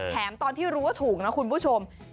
ตอนที่รู้ว่าถูกนะคุณผู้ชม